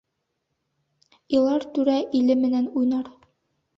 Илар түрә иле менән уйнар.